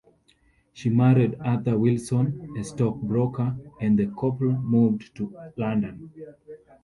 She married Arthur Wilson, a stockbroker, and the couple moved to London.